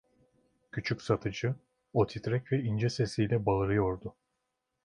Küçük satıcı, o titrek ve ince sesiyle bağırıyordu.